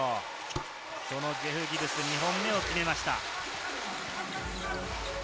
そのジェフ・ギブス、２本目を決めました。